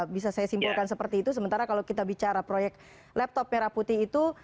bisa saya simpulkan seperti itu sementara kalau kita bicara proyek laptop merah putih itu